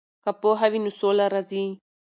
که پوهه وي نو سوله راځي.